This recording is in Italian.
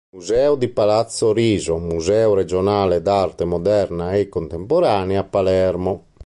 Museo di Palazzo Riso, Museo Regionale d’Arte Moderna e Contemporanea, Palermo.